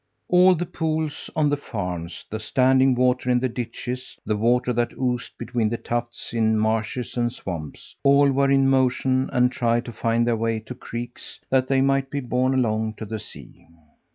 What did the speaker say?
All the pools on the farms, the standing water in the ditches, the water that oozed between the tufts in marshes and swamps all were in motion and tried to find their way to creeks, that they might be borne along to the sea.